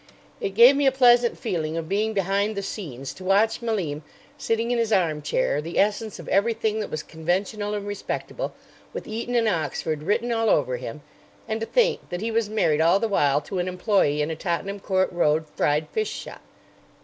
It gave me a pleasant feeling of being behind the scenes, to watch Malim, sitting in his armchair, the essence of everything that was conventional and respectable, with Eton and Oxford written all over him, and to think that he was married all the while to an employee in a Tottenham Court Road fried fish shop.